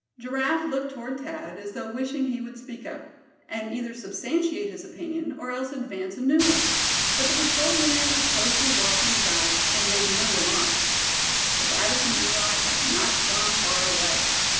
Giraffe looked toward Thad, as though wishing he would speak up, and either substantiate his opinion, or else advance a new one. But the patrol leader was closely watching the guides, and made no remark. Sebattis and Eli had not gone far away.